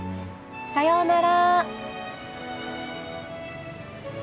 さようなら。